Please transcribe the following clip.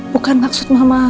bukan maksud mama